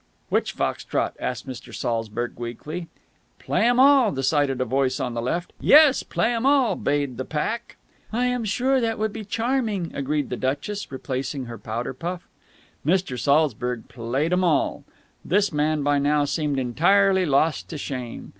"Which fox trot?" asked Mr. Saltzburg weakly. "Play 'em all!" decided a voice on the left. "Yes, play 'em all," bayed the pack. "I am sure that that would be charming," agreed the duchess, replacing her powder puff. Mr. Saltzburg played 'em all. This man by now seemed entirely lost to shame.